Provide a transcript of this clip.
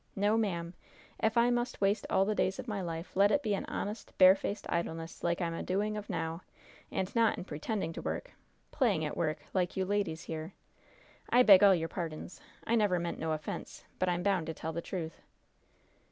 No, ma'am! If I must waste all the days of my life, let it be in honest, barefaced idleness, like I'm a doing of now, and not in pretending to work playing at work, like you ladies here! I beg all your pardons! I never meant no offense, but I'm bound to tell the truth!"